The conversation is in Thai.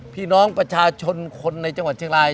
พี่น้องประชาชนคนในจังหวัดเชียงราย